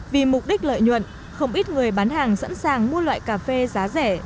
vì mục đích lợi nhuận không ít người bán hàng sẵn sàng mua loại cà phê giá rẻ